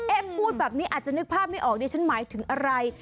พูดแบบนี้อาจจะนึกภาพไม่ออกดิฉันหมายถึงอะไร